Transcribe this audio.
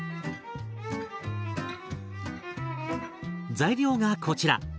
材料がこちら。